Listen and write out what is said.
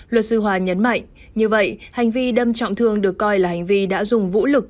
luật sư hòa nhấn mạnh như vậy hành vi đâm trọng thương được coi là hành vi đã dùng vũ lực